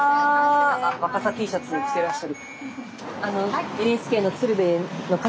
あ若桜Ｔシャツ着てらっしゃる。